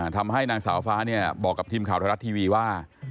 ทำให้นางสาวฟ้าบอกกับทีมข่าวไทยรัฐทีวีว่า